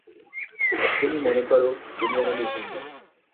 তুমি মনে কর, তুমি আর আমি ভিন্ন।